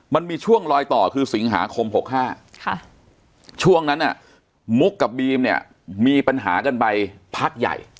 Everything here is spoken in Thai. มันมีช่วงลอยต่อคือสิงหาคม๖๕ช่วงนั้นมุกกับบีมเนี่ยมีปัญหากันไปพักใหญ่